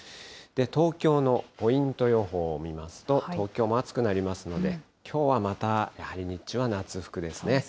東京のポイント予報を見ますと、東京も暑くなりますので、きょうはまたやはり日中は夏服ですね。